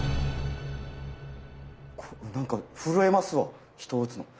なんか震えますわ人を打つの。